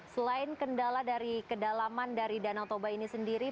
selain kendala dari kedalaman dari danau toba ini sendiri